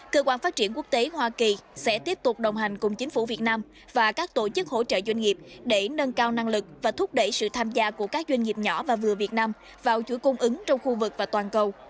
cơ quan phát triển quốc tế hoa kỳ sẽ tiếp tục đồng hành cùng chính phủ việt nam và các tổ chức hỗ trợ doanh nghiệp để nâng cao năng lực và thúc đẩy sự tham gia của các doanh nghiệp nhỏ và vừa việt nam vào chuỗi cung ứng trong khu vực và toàn cầu